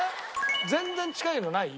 全然近いのない？